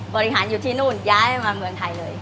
บริหารอยู่ที่นู่นย้ายมาเมืองไทยเลย